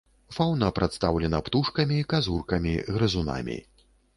Фаўна прадстаўлена птушкамі, казуркамі, грызунамі.